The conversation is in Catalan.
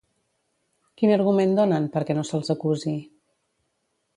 Quin argument donen perquè no se'ls acusi?